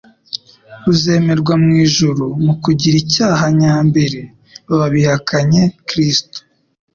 ruzemerwa mu ijuru. Mu kugira icyaha nyambere baba bihakanye Kristo.